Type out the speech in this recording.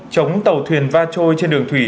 chống tàu thuyền va trôi trên đường thủy